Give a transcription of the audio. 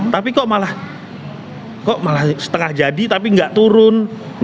tapi kok malah setengah jadi tapi nggak turun